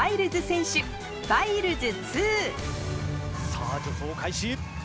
さぁ助走開始。